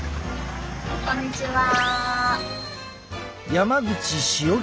こんにちは。